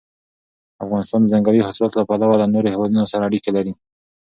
افغانستان د ځنګلي حاصلاتو له پلوه له نورو هېوادونو سره اړیکې لري.